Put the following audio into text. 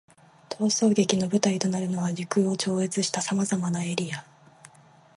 逃走劇の舞台となるのは、時空を超越した様々なエリア。